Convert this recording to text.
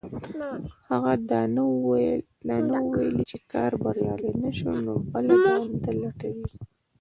هغه دا نه وو ويلي چې که بريالی نه شو نو بله دنده لټوي.